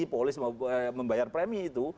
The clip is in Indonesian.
polis membayar premi itu